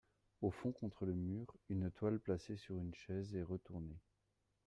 Au fond contre le mur, une toile placée sur une chaise et retournée.